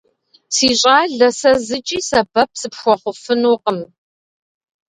Си щӏалэ, сэ зыкӏи сэбэп сыпхуэхъуфынукъым.